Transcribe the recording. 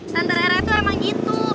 tante rara itu emang gitu